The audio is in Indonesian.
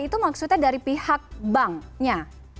itu maksudnya dari pihak banknya